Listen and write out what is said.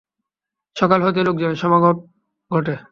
সকাল হতেই লোকজনের সমাগম ঘটে।